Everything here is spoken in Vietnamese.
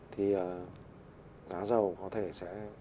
thì đá dầu có thể sẽ